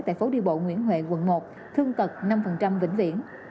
tại phố đi bộ nguyễn huệ quận một thương tật năm vĩnh viễn